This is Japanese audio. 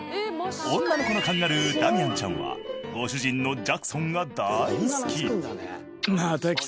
女の子のカンガルーダミアンちゃんはご主人のジャクソンが大好き！